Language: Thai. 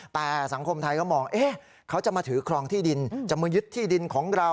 แต่สังคมไทยก็มองเขาจะมาถือครองที่ดินจะมายึดที่ดินของเรา